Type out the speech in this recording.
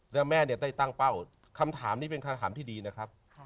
แล้วแม่เนี่ยได้ตั้งเป้าคำถามนี้เป็นคำถามที่ดีนะครับ